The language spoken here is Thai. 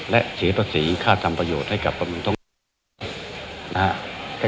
และเสียภาษีค่าทำประโยชน์ให้กับประวัติศาสตร์นะฮะ